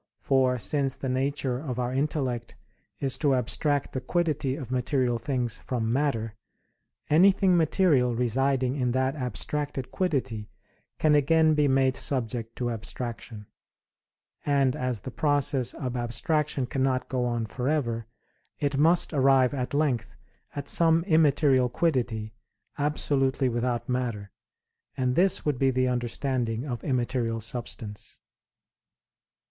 For since the nature of our intellect is to abstract the quiddity of material things from matter, anything material residing in that abstracted quiddity can again be made subject to abstraction; and as the process of abstraction cannot go on forever, it must arrive at length at some immaterial quiddity, absolutely without matter; and this would be the understanding of immaterial substance.